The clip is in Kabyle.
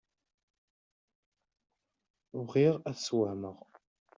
Bɣiɣ ad t-sswehmeɣ.